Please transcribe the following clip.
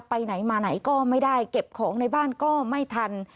ไปไหนมาไหนก็ไม่ได้เก็บของในบ้านก็ไม่ทัน